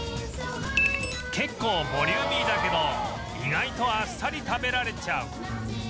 結構ボリューミーだけど意外とあっさり食べられちゃう